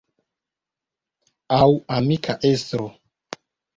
Aŭ amika estro.